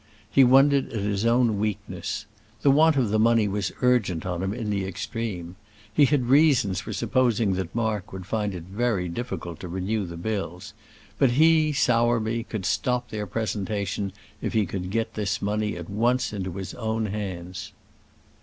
He wondered at his own weakness. The want of the money was urgent on him in the extreme. He had reasons for supposing that Mark would find it very difficult to renew the bills, but he, Sowerby, could stop their presentation if he could get this money at once into his own hands.